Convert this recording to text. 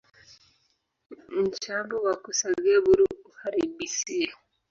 Nchambo wa kusagia buru uharibisie